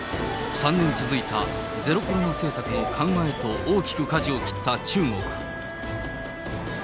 ３年続いたゼロコロナ政策の緩和へと大きくかじを切った中国。